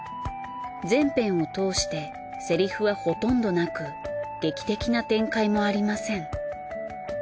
全編を通してセリフはほとんどなく劇的な展開もありません。